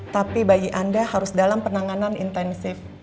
tapi bagi anda harus dalam penanganan intensif